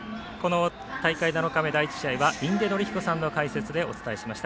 大会７日目、第１試合は印出順彦さんの解説でお伝えしました。